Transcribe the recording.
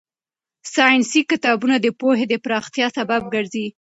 ساينسي کتابونه د پوهې د پراختیا سبب ګرځي.